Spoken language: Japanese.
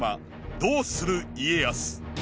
「どうする家康」。